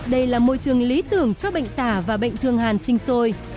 đây là môi trường lý tưởng cho bệnh tả và bệnh thương hàn sinh sôi